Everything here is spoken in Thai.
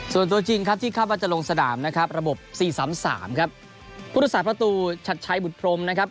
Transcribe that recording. ส่วนตัวจริงครับที่เข้ามาจะลงสะดามนะครับระบบ๔๓๓ครับพุทธศาสตร์ประตูชัดใช้บุตรพรมนะครับ